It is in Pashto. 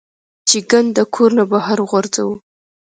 چې ګند د کور نه بهر غورځوه -